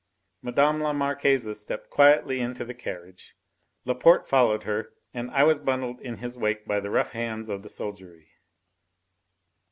Mme. la Marquise stepped quietly into the carriage. Laporte followed her, and I was bundled in in his wake by the rough hands of the soldiery.